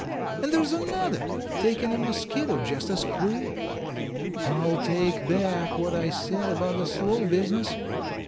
And there's another taken a mosquito just as quick. I'll take back what I said about the slow business.